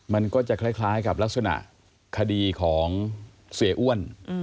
มันก็จะคล้ายกับลักษณะคดีของเสียอ้วน